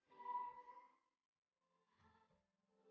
tapi jurusannya ilmu komunikasi